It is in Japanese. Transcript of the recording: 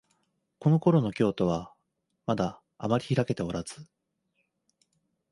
このころの京都は、まだあまりひらけておらず、